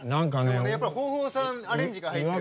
でもねやっぱり豊豊さんアレンジが入ってるから。